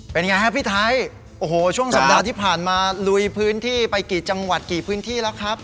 เป็นไงฮะพี่ไทยโอ้โหช่วงสัปดาห์ที่ผ่านมาลุยพื้นที่ไปกี่จังหวัดกี่พื้นที่แล้วครับ